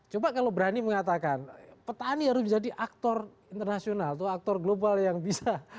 coba kalau berani mengatakan petani harus menjadi aktor internasional atau aktor global yang bisa